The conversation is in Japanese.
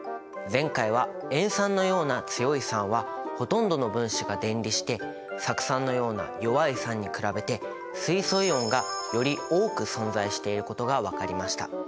前回は塩酸のような強い酸はほとんどの分子が電離して酢酸のような弱い酸に比べて水素イオンがより多く存在していることが分かりました。